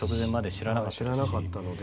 知らなかったので。